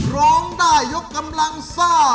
ร้องได้ยกกำลังซ่า